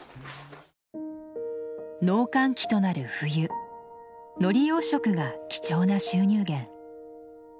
農閑期となる冬海苔養殖が貴重な収入源。